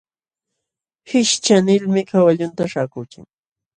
Hishcha nilmi kawallunta śhaakuuchin.